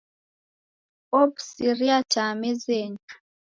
Ow'usiria taa mezenyi.